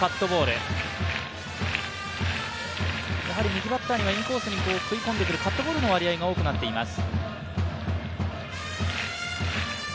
右バッターにはインコースに食い込んでくるカットボールの割合が多くなっています。